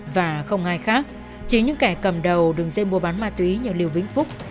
và không ai khác chính những kẻ cầm đầu đường dây buôn bán ma túy như lưu vĩnh phúc